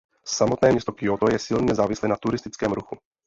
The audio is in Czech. Samotné město Kjóto je silně závislé na turistickém ruchu.